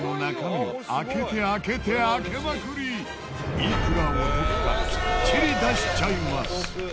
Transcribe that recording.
いくらお得かきっちり出しちゃいます。